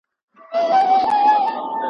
د بشر په نوم ياديږي `